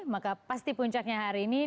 maka pasti puncaknya hari ini